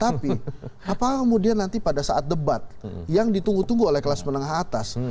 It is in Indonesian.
tapi apakah kemudian nanti pada saat debat yang ditunggu tunggu oleh kelas menengah atas